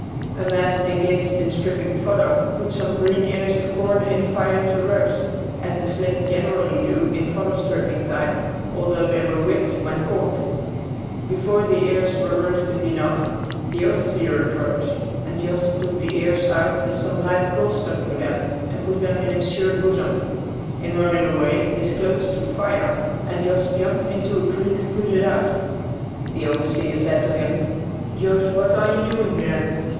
A man engaged in stripping fodder put some green ears of corn in the fire to roast as the slaves generally do in fodder stripping time, although they were whipped when caught. Before the ears were roasted enough, the overseer approached, and Josh took the ears out with some live coals stuck to them and put them in his shirt bosom. In running away his clothes took fire and Josh jumped into a creek to put it out. The overseer said to him, "Josh, what are you doing there?"